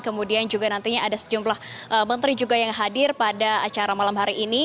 kemudian juga nantinya ada sejumlah menteri juga yang hadir pada acara malam hari ini